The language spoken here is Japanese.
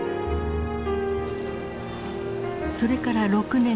それから６年後。